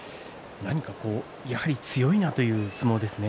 やはり強いなという相撲ですね。